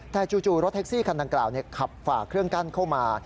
แต่จู่รถแท็กซี่คันดังกล่าวขับฝ่าเครื่องกั้นเข้ามา